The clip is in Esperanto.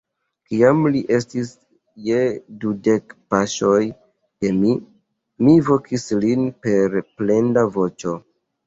Kiam li estis je dudek paŝoj de mi, mi vokis lin per plenda voĉo.